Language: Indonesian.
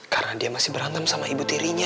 karena dia masih berantem sama ibu tirinya